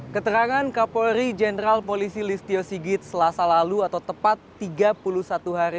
keterangan kapolri jenderal polisi listio sigit selasa lalu atau tepat tiga puluh satu hari